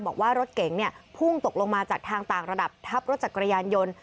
บอกว่ารถเก๋งพุ่งตกลงมาจากทางต่างระดับทับรถจักรยานยนต์